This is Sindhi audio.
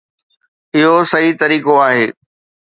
اهو صحيح طريقو آهي.